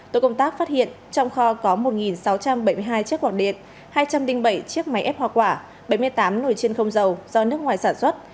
tổ công tác phát hiện trong kho có một sáu trăm bảy mươi hai chiếc quạt điện hai trăm linh bảy chiếc máy ép hoa quả bảy mươi tám nồi chiên không dầu do nước ngoài sản xuất